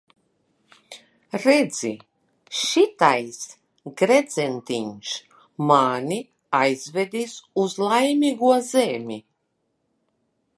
Redzi, šitais gredzentiņš mani aizvedīs uz Laimīgo zemi.